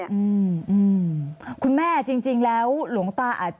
อืมคุณแม่จริงแล้วหลวงตาอาจ